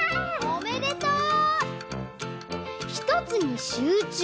おめでとう！